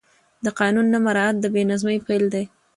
د قانون نه مراعت د بې نظمۍ پیل دی